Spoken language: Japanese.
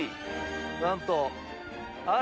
なんと。